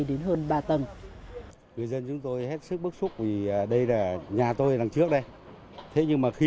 đến hơn ba tâm người dân chúng tôi hết sức bức xúc vì đây là nhà tôi đằng trước đây thế nhưng mà khi